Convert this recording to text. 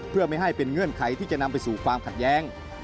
เพื่อไม่ให้เป็นเงื่อนไขที่จะนำไปสู่ความขัดแย้ง